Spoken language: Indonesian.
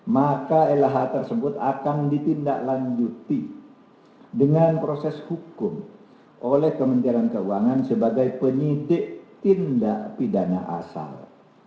maka lh tersebut akan ditindaklanjuti dengan proses hukum oleh kementerian keuangan sebagai penyidik tindak pidana asal